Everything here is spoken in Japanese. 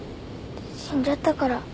死んじゃったから。